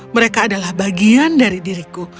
mereka adalah bagian dari diriku